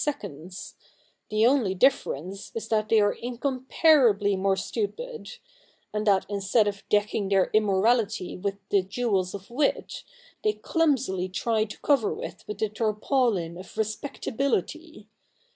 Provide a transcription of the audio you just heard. i Second's ; the only difference is that they are incom parably more stupid ; and that, instead of decking their immorality with the jewels of wit, they clumsily try to cover it with the tarpaulin of respectability.